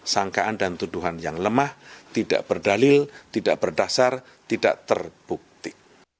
sangkaan dan tuduhan yang lemah tidak berdalil tidak berdasar tidak terbukti